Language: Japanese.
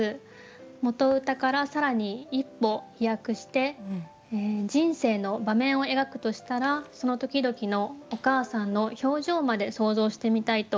元歌から更に一歩飛躍して人生の場面を描くとしたらその時々のお母さんの表情まで想像してみたいと考えました。